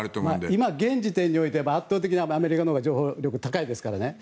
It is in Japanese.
今、現時点においては圧倒的にアメリカのほうが情報力が高いですからね。